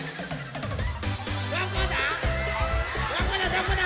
どこだ？